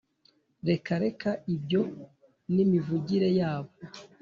Reka reka ibyo nimivugire yabo